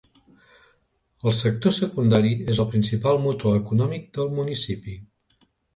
El sector secundari és el principal motor econòmic del municipi.